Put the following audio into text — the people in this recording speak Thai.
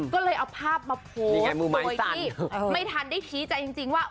ก็เลยเอาภาพมาโพสต์โดยที่ไม่ทันได้ชี้ใจจริงว่า